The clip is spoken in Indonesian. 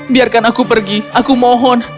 biarkan aku pergi aku mohon